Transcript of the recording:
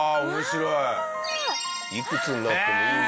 いくつになってもいいんだ。